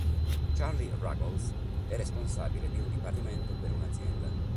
Charlie Ruggles è responsabile di un dipartimento per un'azienda.